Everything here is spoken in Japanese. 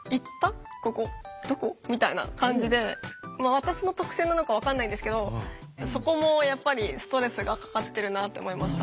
私の特性なのか分かんないんですけどそこもやっぱりストレスがかかってるなって思いました。